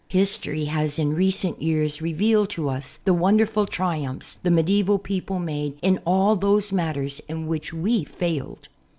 History has in recent years revealed to us the wonderful triumphs the medieval j)eople made in all those matters in which we failed.